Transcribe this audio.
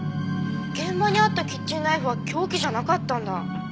現場にあったキッチンナイフは凶器じゃなかったんだ。